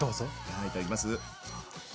はいいただきます。